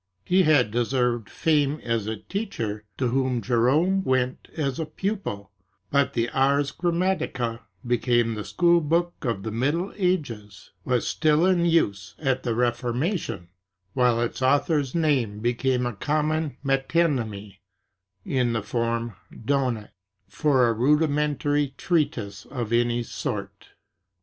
He had deserved fame as a teacher, to whom Jerome went as a pupil, but the "Ars Grammatica" became the school book of the Middle Ages, was still in use at the Reformation, while its author's "name became a common metonymy (in the form donet) for a rudimentary treatise of any sort."